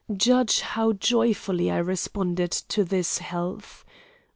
Judge how joyfully I responded to this health.